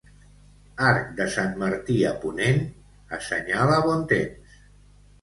Arc de sant Martí a ponent assenyala bon temps.